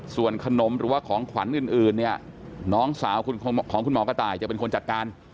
ส่วนขนมหรือว่าของขวัญอื่นเนี่ยน้องสาวของคุณหมอกระต่ายจะเป็นคนจัดการ